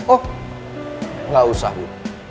oh gak usah bu